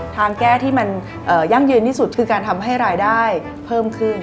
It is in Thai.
ทางแก้ที่มันยั่งยืนที่สุดคือการทำให้รายได้เพิ่มขึ้น